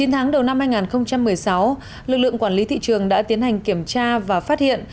chín tháng đầu năm hai nghìn một mươi sáu lực lượng quản lý thị trường đã tiến hành kiểm tra và phát hiện